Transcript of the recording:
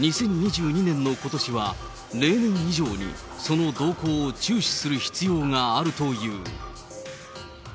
２０２２年のことしは、例年以上にその動向を注視する必要があるという。